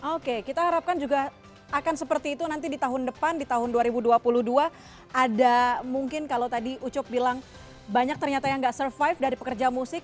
oke kita harapkan juga akan seperti itu nanti di tahun depan di tahun dua ribu dua puluh dua ada mungkin kalau tadi ucuk bilang banyak ternyata yang gak survive dari pekerja musik